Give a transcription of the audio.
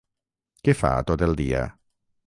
Què fa tot el dia?